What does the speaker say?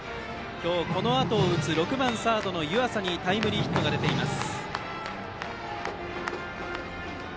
今日このあとを打つ６番サードの湯浅にタイムリーヒットが出ています。